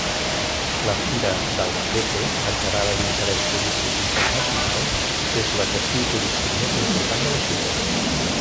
La Fira d'Albacete, declarada d'interès turístic internacional, és l'atractiu turístic més important de la ciutat.